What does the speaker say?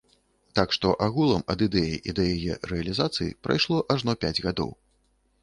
Так што агулам ад ідэі да яе рэалізацыі прайшло ажно пяць гадоў.